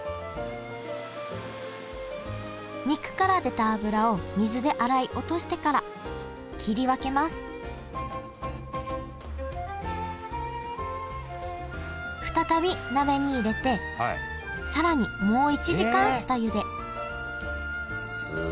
肉から出た脂を水で洗い落としてから切り分けます再び鍋に入れて更にもう一時間下ゆですごい。